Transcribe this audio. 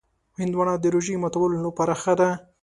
هندوانه د روژې ماتولو لپاره ښه ده.